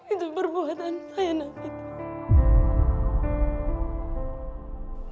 itu perbuatan saya nafitri